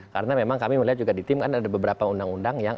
karena memang kami melihat juga di tim kan ada beberapa undang undang yang